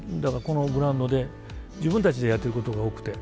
このグラウンドで自分たちでやってることが多くて。